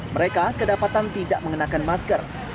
mereka kedapatan tidak mengenakan masker